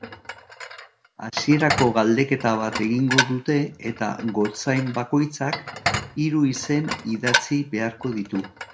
Hasierako galdeketa bat egingo dute eta gotzain bakoitzak hiru izen idatzi beharko ditu.